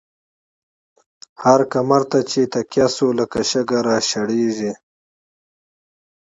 هر کمر ته چی تکيه شو، لکه شګه را شړيږی